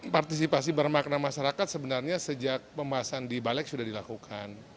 partisipasi bermakna masyarakat sebenarnya sejak pembahasan di balik sudah dilakukan